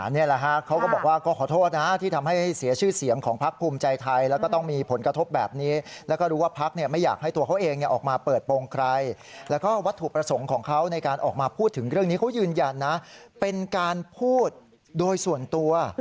นี่แหละฮะเขาก็บอกว่าก็ขอโทษนะที่ทำให้เสียชื่อเสียงของพักภูมิใจไทยแล้วก็ต้องมีผลกระทบแบบนี้แล้วก็รู้ว่าพักเนี่ยไม่อยากให้ตัวเขาเองออกมาเปิดโปรงใครแล้วก็วัตถุประสงค์ของเขาในการออกมาพูดถึงเรื่องนี้เขายืนยันนะเป็นการพูดโดยส่วนตัว